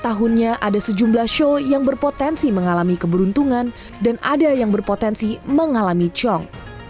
dalam dunia feng shui ada sejumlah show yang berpotensi mengalami keberuntungan dan ada yang berpotensi mengalami cong